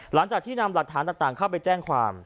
หลังจากที่นำหลักฐานต่างเข้าไปแจ้งความ